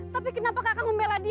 tapi kenapa kakang membela dia